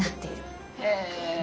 へえ。